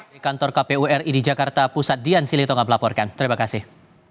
di kantor kpu ri di jakarta pusat dian silitonga melaporkan terima kasih